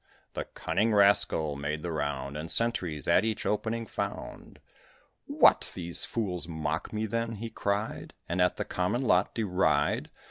The cunning rascal made the round, And sentries at each opening found. "What! these fools mock me, then?" he cried, "And at the common lot deride?